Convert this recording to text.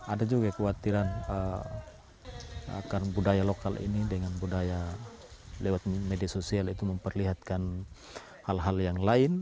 ada juga kekhawatiran akan budaya lokal ini dengan budaya lewat media sosial itu memperlihatkan hal hal yang lain